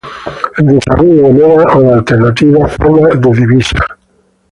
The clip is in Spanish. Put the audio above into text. El desarrollo de nuevas o alternativas formas de divisa.